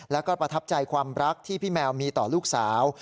แล้วก็ประทับใจความรักที่พี่แมวมีต่อลูกสาว